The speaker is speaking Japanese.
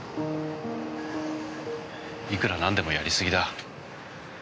「いくらなんでもやり過ぎだ」